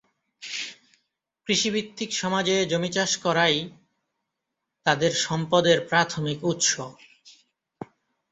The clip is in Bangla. কৃষিভিত্তিক সমাজে জমি চাষ করাই তাদের সম্পদের প্রাথমিক উৎস।